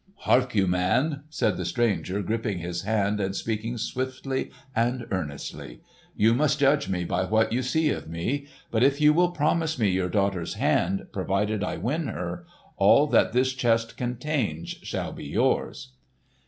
"Hark you, man!" said the stranger, gripping his hand and speaking swiftly and earnestly. "You must judge me by what you see of me. But if you will promise me your daughter's hand, provided I win her, all that this chest contains shall be yours!"